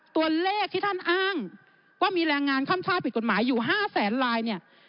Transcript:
ตัวเลขที่ท่านอ้างว่ามีแรงงานข้ามชาติผิดกฎหมายอยู่๕แสนลายเนี่ย